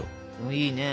いいね。